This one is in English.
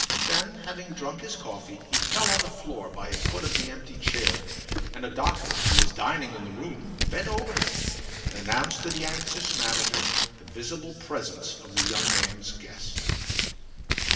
Then having drunk his coffee he fell on to the floor by a foot of the empty chair, and a doctor who was dining in the room bent over him and announced to the anxious manager the visible presence of the young man's guest.